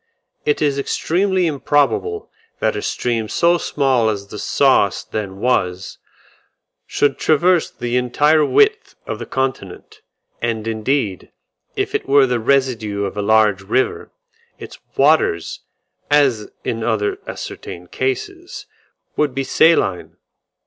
It is extremely improbable that a stream so small as the Sauce then was, should traverse the entire width of the continent; and indeed, if it were the residue of a large river, its waters, as in other ascertained cases, would be saline.